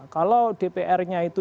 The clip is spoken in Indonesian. kalau dpr nya itu